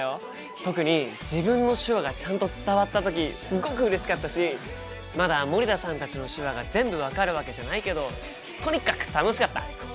特に自分の手話がちゃんと伝わった時すごくうれしかったしまだ森田さんたちの手話が全部分かるわけじゃないけどとにかく楽しかった！